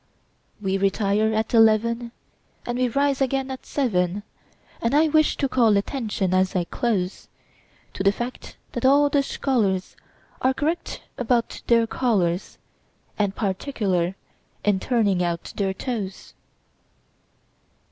We retire at eleven, And we rise again at seven; And I wish to call attention, as I close, To the fact that all the scholarsAre correct about their collars, And particular in turning out their toes.